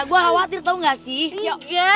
gue mau diulang boy